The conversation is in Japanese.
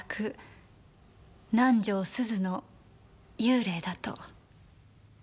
南条すずの幽霊だと。